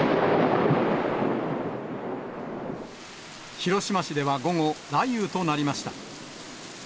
広島市では午後、雷雨となりました。